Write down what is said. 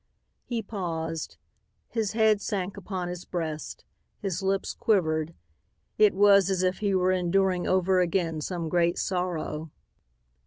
He paused. His head sank upon his breast. His lips quivered. It was as if he were enduring over again some great sorrow.